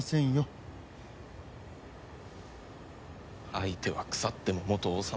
相手は腐っても元王様。